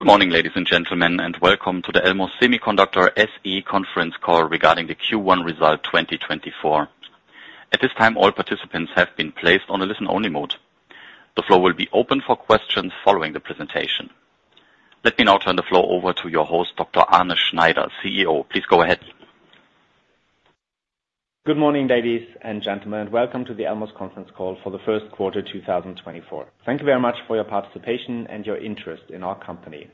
Good morning, ladies and gentlemen, and welcome to the Elmos Semiconductor SE conference call regarding the Q1 result 2024. At this time, all participants have been placed on a listen-only mode. The floor will be open for questions following the presentation. Let me now turn the floor over to your host, Dr. Arne Schneider, CEO. Please go ahead. Good morning, ladies and gentlemen, and welcome to the Elmos conference call for the first quarter 2024. Thank you very much for your participation and your interest in our company.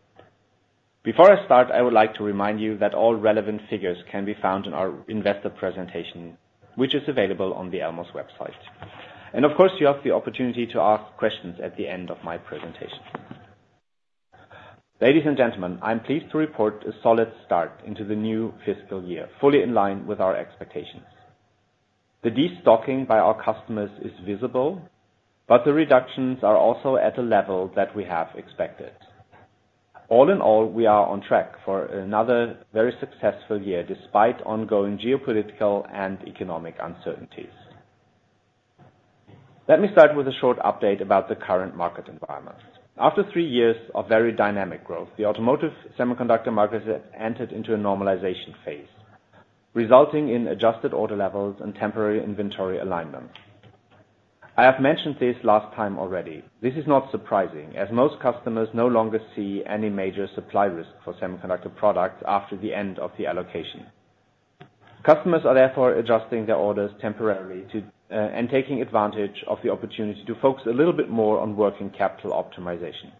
Before I start, I would like to remind you that all relevant figures can be found in our investor presentation, which is available on the Elmos website. And of course, you have the opportunity to ask questions at the end of my presentation. Ladies and gentlemen, I'm pleased to report a solid start into the new fiscal year, fully in line with our expectations. The destocking by our customers is visible, but the reductions are also at a level that we have expected. All in all, we are on track for another very successful year despite ongoing geopolitical and economic uncertainties. Let me start with a short update about the current market environment. After three years of very dynamic growth, the automotive semiconductor market has entered into a normalization phase, resulting in adjusted order levels and temporary inventory alignment. I have mentioned this last time already. This is not surprising, as most customers no longer see any major supply risk for semiconductor products after the end of the allocation. Customers are therefore adjusting their orders temporarily and taking advantage of the opportunity to focus a little bit more on working capital optimization.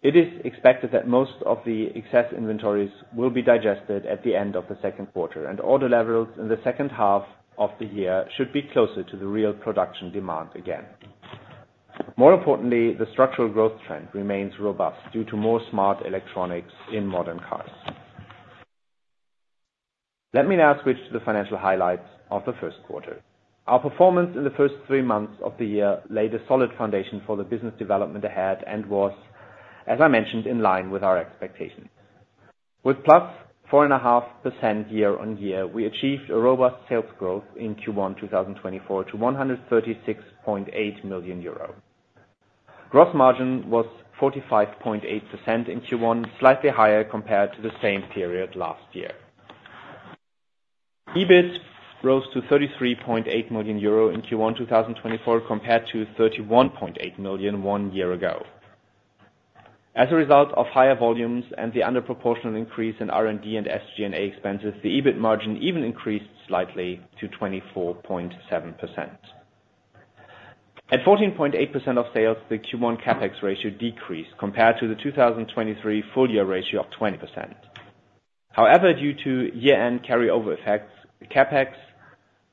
It is expected that most of the excess inventories will be digested at the end of the second quarter, and order levels in the second half of the year should be closer to the real production demand again. More importantly, the structural growth trend remains robust due to more smart electronics in modern cars. Let me now switch to the financial highlights of the first quarter. Our performance in the first three months of the year laid a solid foundation for the business development ahead and was, as I mentioned, in line with our expectations. With +4.5% year-on-year, we achieved a robust sales growth in Q1 2024 to 136.8 million euro. Gross margin was 45.8% in Q1, slightly higher compared to the same period last year. EBIT rose to 33.8 million euro in Q1 2024 compared to 31.8 million one year ago. As a result of higher volumes and the underproportional increase in R&D and SG&A expenses, the EBIT margin even increased slightly to 24.7%. At 14.8% of sales, the Q1 CapEx ratio decreased compared to the 2023 full-year ratio of 20%. However, due to year-end carryover effects, CapEx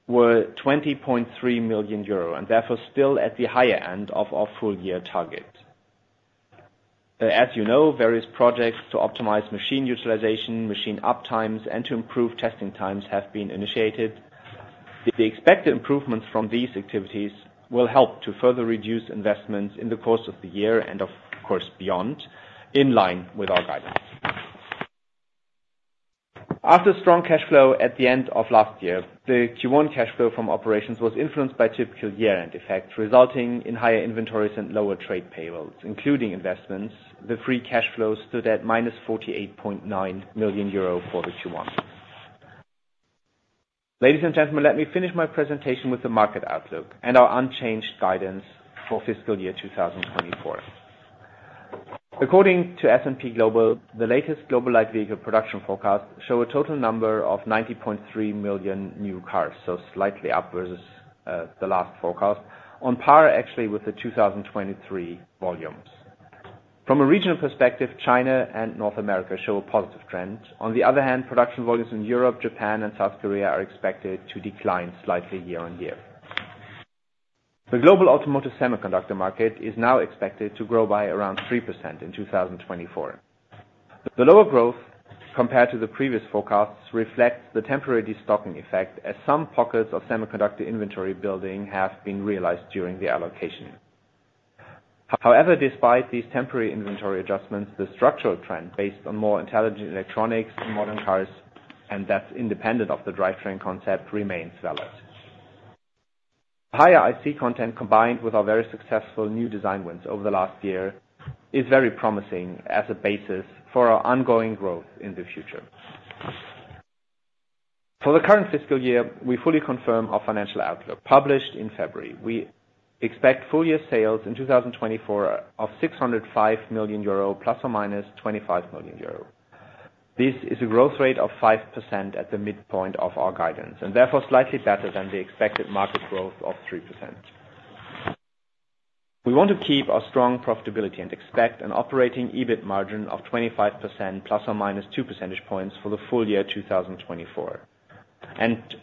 were 20.3 million euro and therefore still at the higher end of our full-year target. As you know, various projects to optimize machine utilization, machine uptimes, and to improve testing times have been initiated. The expected improvements from these activities will help to further reduce investments in the course of the year and, of course, beyond, in line with our guidance. After strong cash flow at the end of last year, the Q1 cash flow from operations was influenced by typical year-end effects, resulting in higher inventories and lower trade payables, including investments. The free cash flow stood at 48.9 million euro for the Q1. Ladies and gentlemen, let me finish my presentation with the market outlook and our unchanged guidance for FY 2024. According to S&P Global, the latest global light vehicle production forecasts show a total number of 90.3 million new cars, so slightly up versus the last forecast, on par actually with the 2023 volumes. From a regional perspective, China and North America show a positive trend. On the other hand, production volumes in Europe, Japan, and South Korea are expected to decline slightly year-over-year. The global automotive semiconductor market is now expected to grow by around 3% in 2024. The lower growth compared to the previous forecasts reflects the temporary destocking effect, as some pockets of semiconductor inventory building have been realized during the allocation. However, despite these temporary inventory adjustments, the structural trend based on more intelligent electronics and modern cars, and that's independent of the drivetrain concept, remains valid. Higher IC content combined with our very successful new design wins over the last year is very promising as a basis for our ongoing growth in the future. For the current fiscal year, we fully confirm our financial outlook published in February. We expect full-year sales in 2024 of 605 million euro ± 25 million euro. This is a growth rate of 5% at the midpoint of our guidance and therefore slightly better than the expected market growth of 3%. We want to keep our strong profitability and expect an operating EBIT margin of 25% ±2 percentage points for the full year 2024.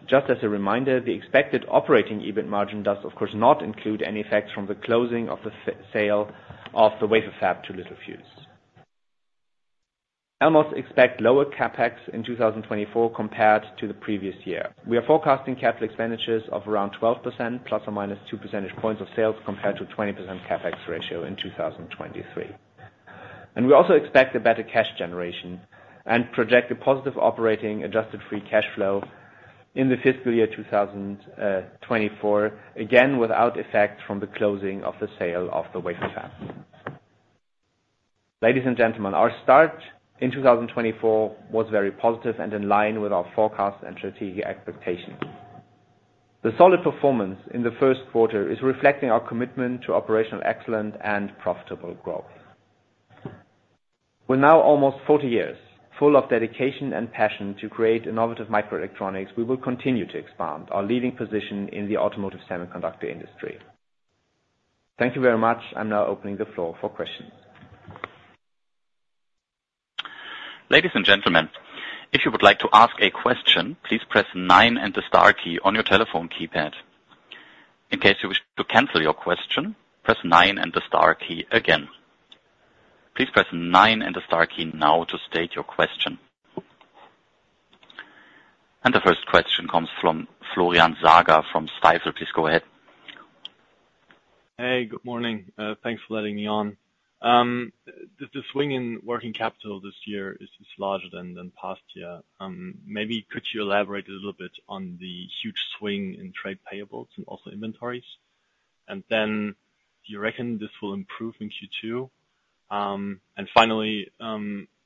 Just as a reminder, the expected operating EBIT margin does, of course, not include any effects from the closing of the sale of the wafer fab to Littelfuse. Elmos expect lower CapEx in 2024 compared to the previous year. We are forecasting capital expenditures of around 12% ±2 percentage points of sales compared to a 20% CapEx ratio in 2023. We also expect a better cash generation and project a positive operating adjusted free cash flow in the FY 2024, again without effects from the closing of the sale of the wafer fab. Ladies and gentlemen, our start in 2024 was very positive and in line with our forecasts and strategic expectations. The solid performance in the first quarter is reflecting our commitment to operational excellence and profitable growth. With now almost 40 years full of dedication and passion to create innovative microelectronics, we will continue to expand our leading position in the automotive semiconductor industry. Thank you very much. I'm now opening the floor for questions. Ladies and gentlemen, if you would like to ask a question, please press nine and the star key on your telephone keypad. In case you wish to cancel your question, press nine and the star key again. Please press nine and the star key now to state your question. The first question comes from Florian Sager from Stifel. Please go ahead. Hey, good morning. Thanks for letting me on. The swing in working capital this year is larger than past year. Maybe could you elaborate a little bit on the huge swing in trade payables and also inventories? And then do you reckon this will improve in Q2? And finally,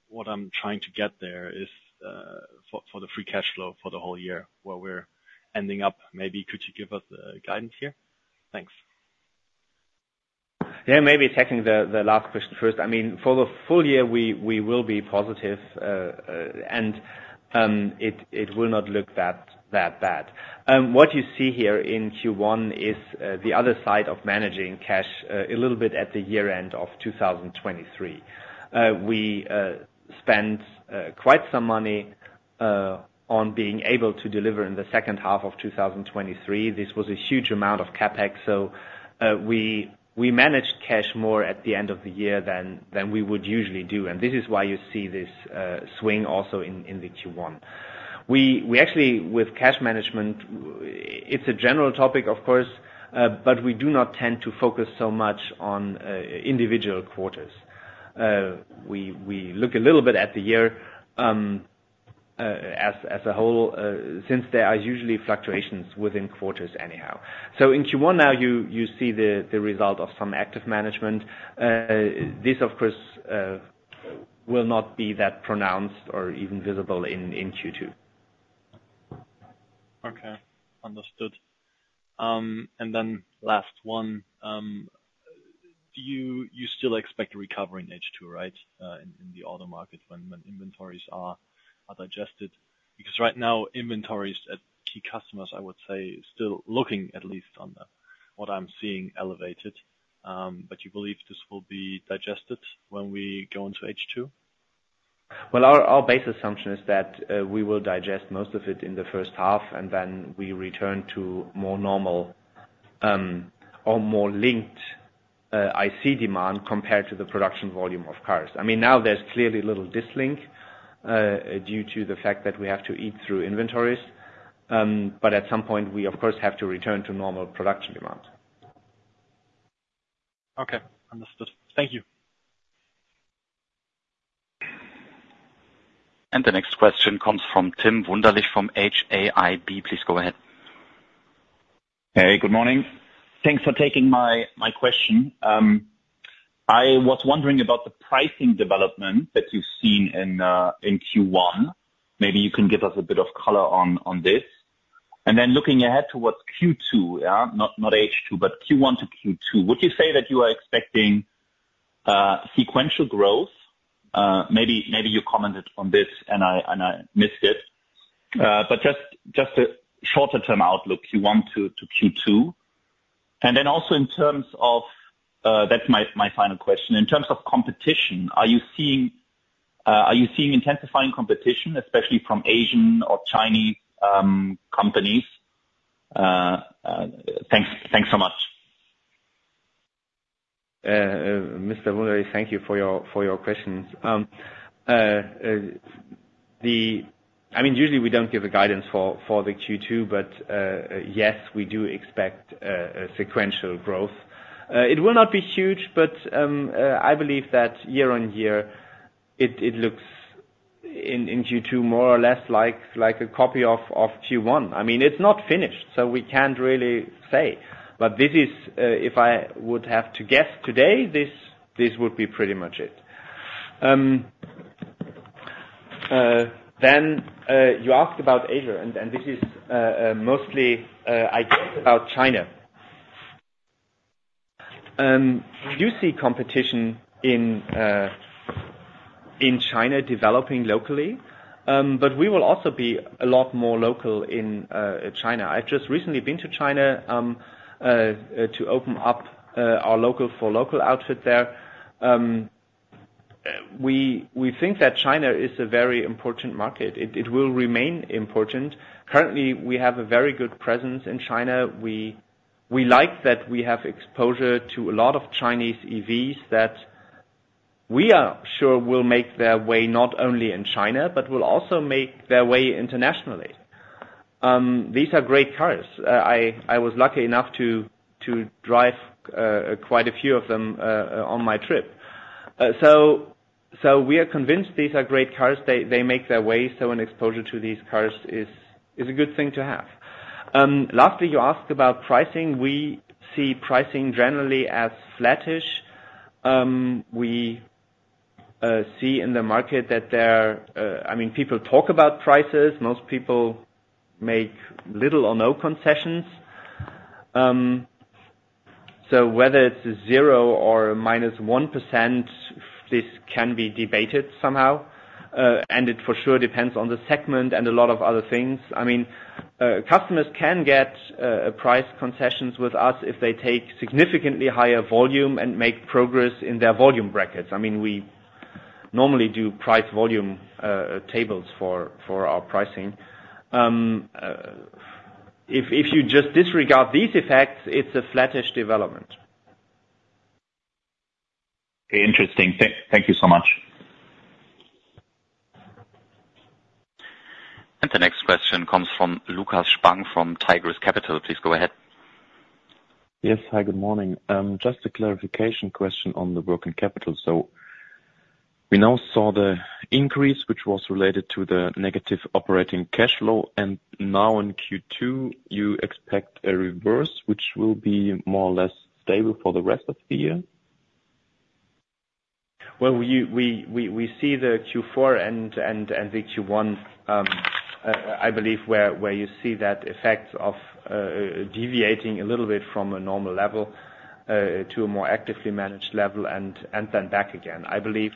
what I'm trying to get there is for the free cash flow for the whole year where we're ending up, maybe could you give us guidance here? Thanks. Yeah, maybe taking the last question first. I mean, for the full year, we will be positive, and it will not look that bad. What you see here in Q1 is the other side of managing cash a little bit at the year-end of 2023. We spent quite some money on being able to deliver in the second half of 2023. This was a huge amount of CapEx, so we managed cash more at the end of the year than we would usually do. This is why you see this swing also in the Q1. Actually, with cash management, it's a general topic, of course, but we do not tend to focus so much on individual quarters. We look a little bit at the year as a whole since there are usually fluctuations within quarters anyhow. In Q1 now, you see the result of some active management. This, of course, will not be that pronounced or even visible in Q2. Okay, understood. And then last one, you still expect a recovery in H2, right, in the auto market when inventories are digested? Because right now, inventories at key customers, I would say, are still looking, at least on what I'm seeing, elevated. But you believe this will be digested when we go into H2? Well, our base assumption is that we will digest most of it in the first half, and then we return to more normal or more linked IC demand compared to the production volume of cars. I mean, now there's clearly little disconnect due to the fact that we have to eat through inventories. But at some point, we, of course, have to return to normal production demand. Okay, understood. Thank you. The next question comes from Tim Wunderlich from HAIB. Please go ahead. Hey, good morning. Thanks for taking my question. I was wondering about the pricing development that you've seen in Q1. Maybe you can give us a bit of color on this. And then looking ahead towards Q2, not H2, but Q1 to Q2, would you say that you are expecting sequential growth? Maybe you commented on this, and I missed it. But just a shorter-term outlook, Q1 to Q2. And then also in terms of that's my final question. In terms of competition, are you seeing intensifying competition, especially from Asian or Chinese companies? Thanks so much. Mr. Wunderlich, thank you for your questions. I mean, usually, we don't give a guidance for the Q2, but yes, we do expect sequential growth. It will not be huge, but I believe that year-over-year, it looks in Q2 more or less like a copy of Q1. I mean, it's not finished, so we can't really say. But if I would have to guess today, this would be pretty much it. Then you asked about Asia, and this is mostly, I guess, about China. Do you see competition in China developing locally? But we will also be a lot more local in China. I've just recently been to China to open up our local-for-local outfit there. We think that China is a very important market. It will remain important. Currently, we have a very good presence in China. We like that we have exposure to a lot of Chinese EVs that we are sure will make their way not only in China but will also make their way internationally. These are great cars. I was lucky enough to drive quite a few of them on my trip. So we are convinced these are great cars. They make their way. So an exposure to these cars is a good thing to have. Lastly, you asked about pricing. We see pricing generally as flattish. We see in the market that there I mean, people talk about prices. Most people make little or no concessions. So whether it's a zero or a -1%, this can be debated somehow. And it for sure depends on the segment and a lot of other things. I mean, customers can get price concessions with us if they take significantly higher volume and make progress in their volume brackets. I mean, we normally do price volume tables for our pricing. If you just disregard these effects, it's a flattish development. Interesting. Thank you so much. The next question comes from Lukas Spang from Tigris Capital. Please go ahead. Yes. Hi, good morning. Just a clarification question on the working capital. So we now saw the increase, which was related to the negative operating cash flow. Now in Q2, you expect a reversal, which will be more or less stable for the rest of the year? Well, we see the Q4 and the Q1, I believe, where you see that effect of deviating a little bit from a normal level to a more actively managed level and then back again. I believe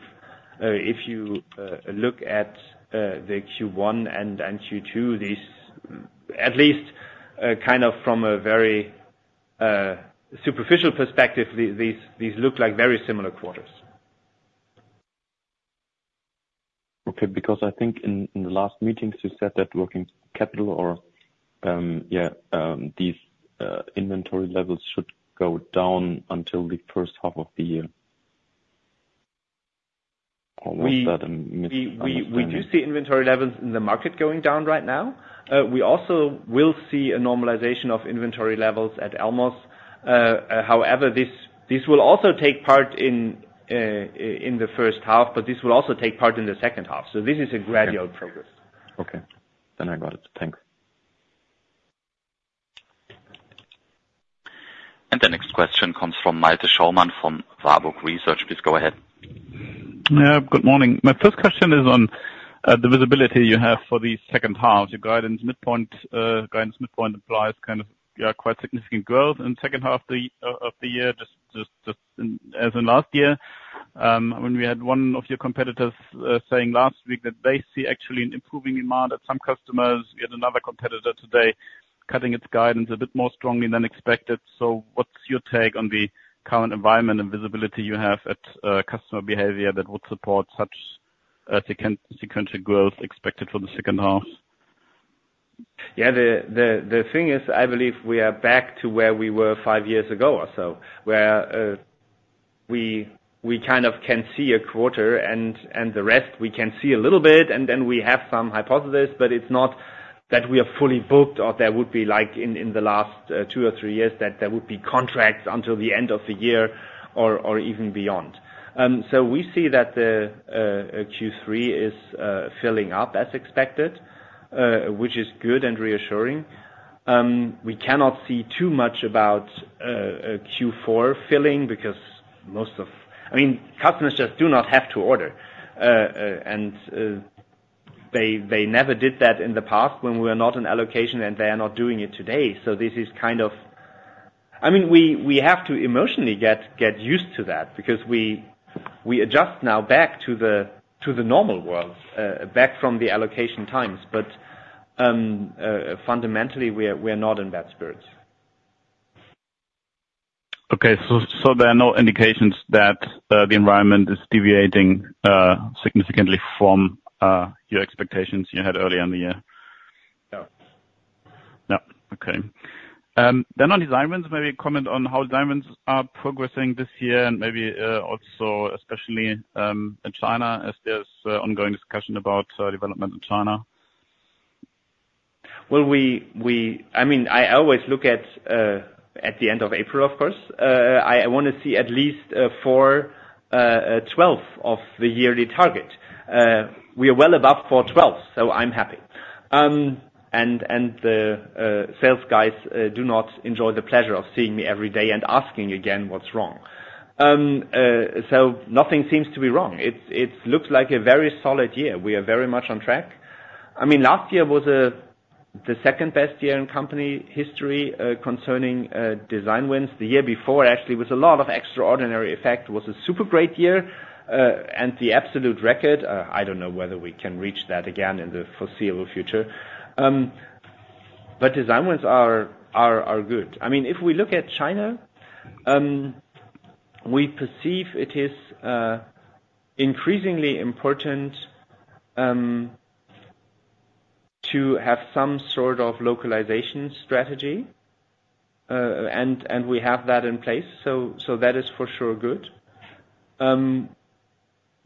if you look at the Q1 and Q2, at least kind of from a very superficial perspective, these look like very similar quarters. Okay. Because I think in the last meetings, you said that working capital or, yeah, these inventory levels should go down until the first half of the year. How was that? I missed that. We do see inventory levels in the market going down right now. We also will see a normalization of inventory levels at Elmos. However, this will also take place in the first half, but this will also take place in the second half. This is a gradual progress. Okay. Then I got it. Thanks. The next question comes from Malte Schaumann from Warburg Research. Please go ahead. Yeah, good morning. My first question is on the visibility you have for the second half. Your guidance midpoint implies kind of quite significant growth in the second half of the year, just as in last year. I mean, we had one of your competitors saying last week that they see actually an improving demand at some customers. We had another competitor today cutting its guidance a bit more strongly than expected. So what's your take on the current environment and visibility you have at customer behavior that would support such sequential growth expected for the second half? Yeah, the thing is, I believe we are back to where we were five years ago or so, where we kind of can see a quarter, and the rest, we can see a little bit. And then we have some hypotheses, but it's not that we are fully booked or there would be in the last two or three years that there would be contracts until the end of the year or even beyond. So we see that Q3 is filling up as expected, which is good and reassuring. We cannot see too much about Q4 filling because most of I mean, customers just do not have to order. And they never did that in the past when we were not in allocation, and they are not doing it today. So this is kind of, I mean, we have to emotionally get used to that because we adjust now back to the normal world, back from the allocation times. But fundamentally, we are not in bad spirits. Okay. So there are no indications that the environment is deviating significantly from your expectations you had earlier in the year? No. No. Okay. Then on design wins, maybe comment on how design wins are progressing this year and maybe also especially in China as there's ongoing discussion about development in China. Well, I mean, I always look at the end of April, of course. I want to see at least 4/12 of the yearly target. We are well above 4/12, so I'm happy. And the sales guys do not enjoy the pleasure of seeing me every day and asking again what's wrong. So nothing seems to be wrong. It looks like a very solid year. We are very much on track. I mean, last year was the second best year in company history concerning design wins. The year before, actually, was a lot of extraordinary effect. It was a super great year and the absolute record. I don't know whether we can reach that again in the foreseeable future. But design wins are good. I mean, if we look at China, we perceive it is increasingly important to have some sort of localization strategy. And we have that in place. That is for sure good.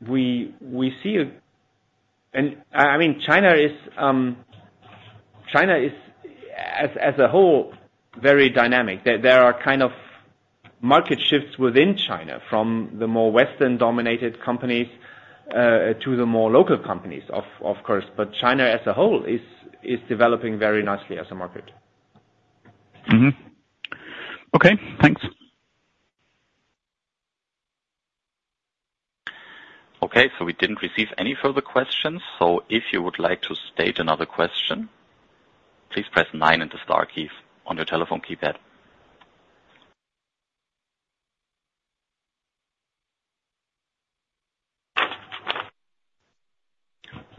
We see, and I mean, China is, as a whole, very dynamic. There are kind of market shifts within China from the more Western-dominated companies to the more local companies, of course. But China as a whole is developing very nicely as a market. Okay. Thanks. Okay. So we didn't receive any further questions. So if you would like to state another question, please press nine and the star keys on your telephone keypad.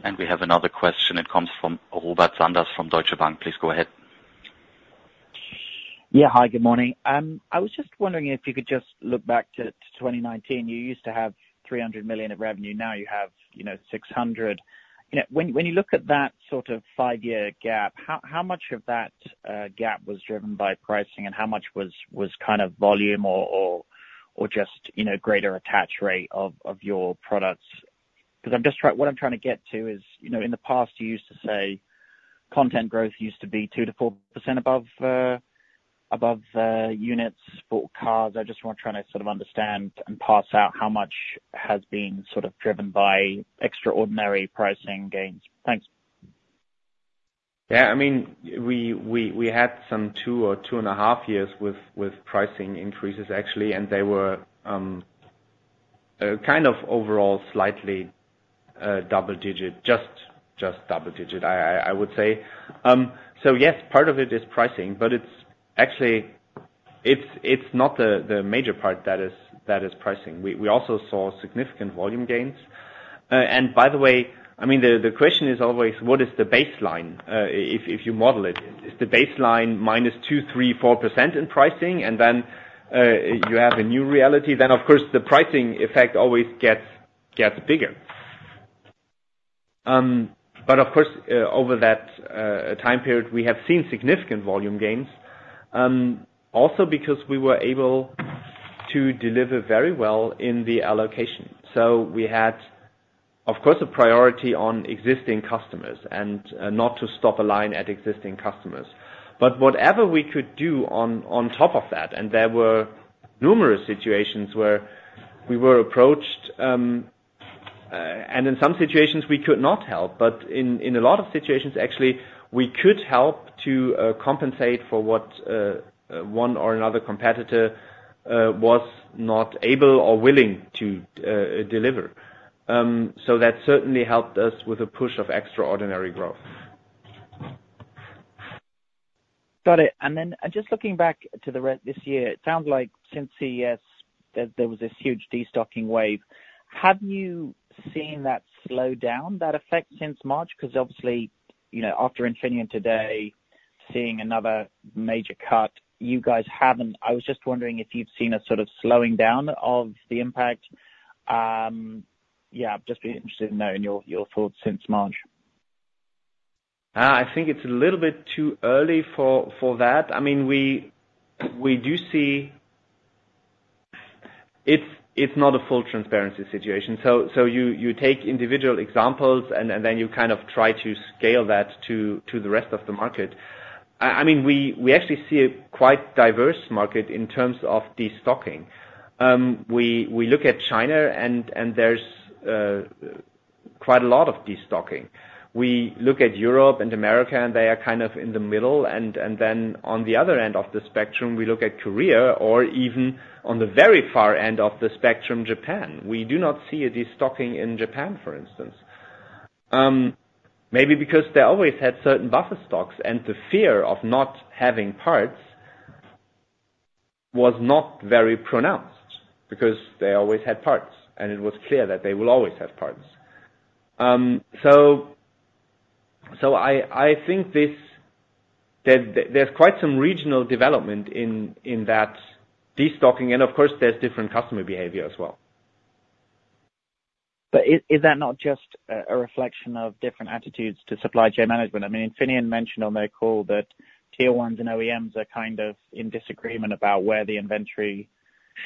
And we have another question. It comes from Robert Sanders from Deutsche Bank. Please go ahead. Yeah. Hi. Good morning. I was just wondering if you could just look back to 2019. You used to have 300 million of revenue. Now you have 600 million. When you look at that sort of 5-year gap, how much of that gap was driven by pricing, and how much was kind of volume or just greater attach rate of your products? Because what I'm trying to get to is in the past, you used to say content growth used to be 2%-4% above units for cars. I just want to try to sort of understand and pass out how much has been sort of driven by extraordinary pricing gains. Thanks. Yeah. I mean, we had some two or 2.5 years with pricing increases, actually, and they were kind of overall slightly double-digit, just double-digit, I would say. So yes, part of it is pricing, but actually, it's not the major part that is pricing. We also saw significant volume gains. By the way, I mean, the question is always, what is the baseline if you model it? Is the baseline -2%, 3%, 4% in pricing, and then you have a new reality? Then, of course, the pricing effect always gets bigger. But of course, over that time period, we have seen significant volume gains also because we were able to deliver very well in the allocation. So we had, of course, a priority on existing customers and not to stop the line at existing customers. But whatever we could do on top of that and there were numerous situations where we were approached, and in some situations, we could not help. But in a lot of situations, actually, we could help to compensate for what one or another competitor was not able or willing to deliver. So that certainly helped us with a push of extraordinary growth. Got it. And then just looking back to this year, it sounds like since CES, there was this huge destocking wave. Have you seen that slowdown, that effect since March? Because obviously, after Infineon today, seeing another major cut, you guys haven't. I was just wondering if you've seen a sort of slowing down of the impact. Yeah. I'd just be interested in knowing your thoughts since March. I think it's a little bit too early for that. I mean, we do see it's not a full transparency situation. So you take individual examples, and then you kind of try to scale that to the rest of the market. I mean, we actually see a quite diverse market in terms of destocking. We look at China, and there's quite a lot of destocking. We look at Europe and America, and they are kind of in the middle. And then on the other end of the spectrum, we look at Korea or even on the very far end of the spectrum, Japan. We do not see a destocking in Japan, for instance, maybe because they always had certain buffer stocks, and the fear of not having parts was not very pronounced because they always had parts, and it was clear that they will always have parts. I think there's quite some regional development in that destocking. Of course, there's different customer behavior as well. But is that not just a reflection of different attitudes to supply chain management? I mean, Infineon mentioned on their call that Tier 1s and OEMs are kind of in disagreement about where the inventory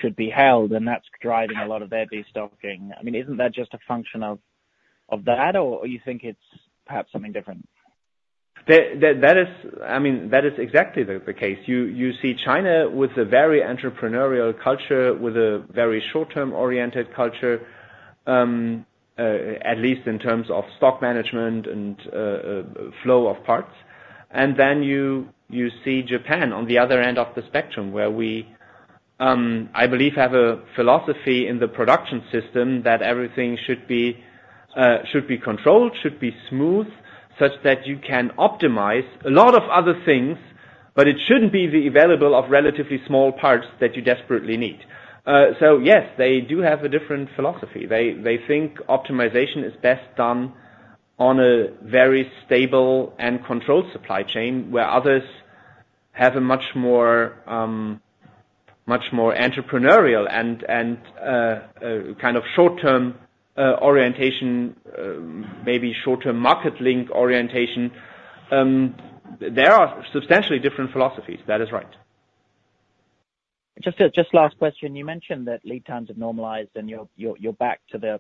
should be held, and that's driving a lot of their destocking. I mean, isn't that just a function of that, or do you think it's perhaps something different? I mean, that is exactly the case. You see China with a very entrepreneurial culture, with a very short-term-oriented culture, at least in terms of stock management and flow of parts. And then you see Japan on the other end of the spectrum, where we, I believe, have a philosophy in the production system that everything should be controlled, should be smooth, such that you can optimize a lot of other things, but it shouldn't be the availability of relatively small parts that you desperately need. So yes, they do have a different philosophy. They think optimization is best done on a very stable and controlled supply chain where others have a much more entrepreneurial and kind of short-term orientation, maybe short-term market-linked orientation. There are substantially different philosophies. That is right. Just last question. You mentioned that lead times have normalized, and you're back to the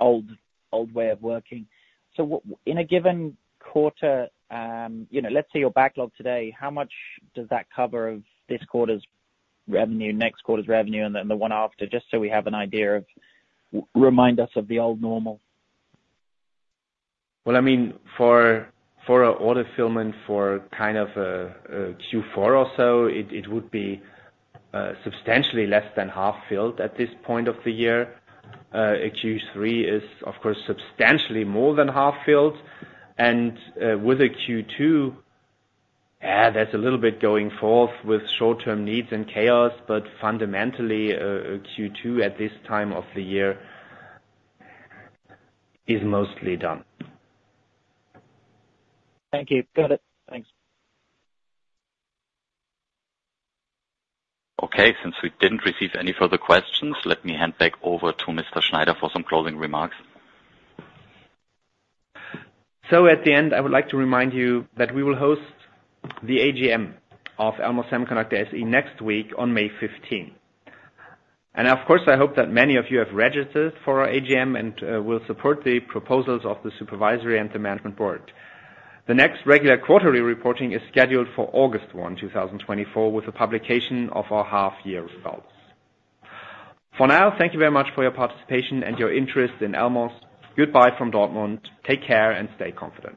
old way of working. So in a given quarter, let's say your backlog today. How much does that cover of this quarter's revenue, next quarter's revenue, and then the one after? Just so we have an idea, remind us of the old normal. Well, I mean, for an order fulfillment for kind of a Q4 or so, it would be substantially less than half-filled at this point of the year. A Q3 is, of course, substantially more than half-filled. And with a Q2, yeah, there's a little bit going forward with short-term needs and chaos. But fundamentally, a Q2 at this time of the year is mostly done. Thank you. Got it. Thanks. Okay. Since we didn't receive any further questions, let me hand back over to Mr. Schneider for some closing remarks. At the end, I would like to remind you that we will host the AGM of Elmos Semiconductor SE next week on May 15th. Of course, I hope that many of you have registered for our AGM and will support the proposals of the Supervisory and the Management Board. The next regular quarterly reporting is scheduled for August 1st, 2024, with a publication of our half-year results. For now, thank you very much for your participation and your interest in Elmos. Goodbye from Dortmund. Take care and stay confident.